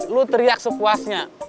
lu teriak sepuasnya